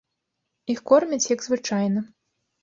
Іх кормяць, як звычайна.